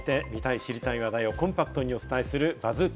続いて見たい知りたい話題をコンパクトにお伝えするＢＵＺＺ